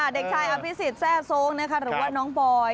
เด็กชายอภิษฎแซ่โซ้งหรือว่าน้องบอย